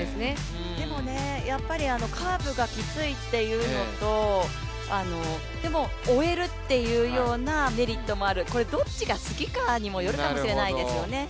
でも、カーブがきついというのと、追えるというようなメリットもある、これどっちが好きかにもよるかもしれないですよね。